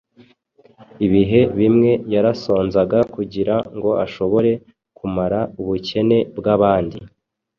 Ibihe bimwe yarasonzaga kugira ngo ashobore kumara ubukene bw’abandi.